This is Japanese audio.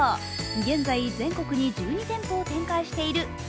現在、全国に１２店舗を展開している＃